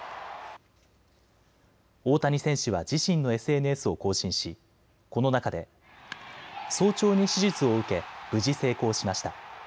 大谷選手は自身のＳＮＳを更新しこの中で早朝に手術を受け無事成功しました。